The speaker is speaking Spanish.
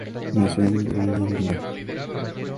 Nació en Groninga.